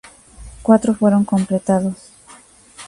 Cuatro fueron completados.